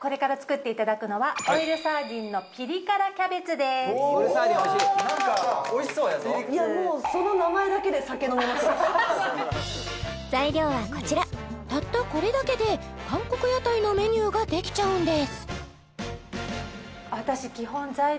これから作っていただくのはですなんかおいしそうやぞ材料はこちらたったこれだけで韓国屋台のメニューができちゃうんです